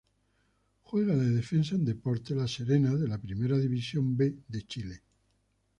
Juega de defensa en Deportes La Serena de la Primera División B de Chile.